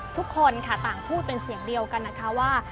ทุกคนค่ะต่างพูดเป็นเสียงเดียวกันนะคะว่า